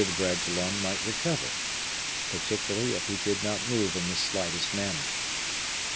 de Bragelonne might recover, particularly if he did not move in the slightest manner.